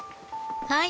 はい。